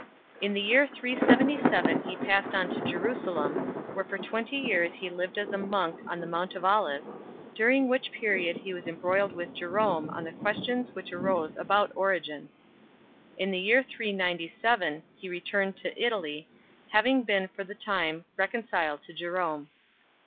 In the year 377 he passed on to Jerusalem, where for twenty years he lived as a monk on the Mount of Olives, during which period he was embroiled with Jerome on the questions which arose about Origen. In the year 397 he returned to Italy, having been for the time reconciled to Jerome.